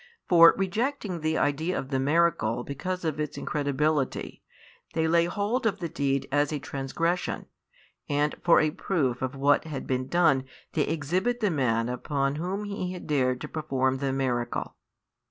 For rejecting the idea of the miracle because of its incredibility, they lay hold of the deed as a transgression, and for a proof of what had been done they exhibit the man upon whom He had dared to perform the miracle.